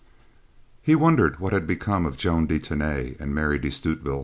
He wondered what had become of Joan de Tany and Mary de Stutevill.